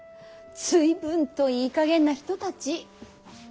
随分といいかげんな人たち。